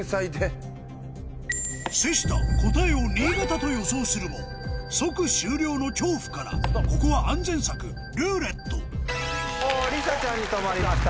瀬下答えを新潟と予想するも即終了の恐怖からここは安全策「ルーレット」りさちゃんに止まりました。